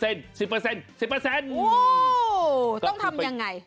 โอ้โหต้องทำยังไง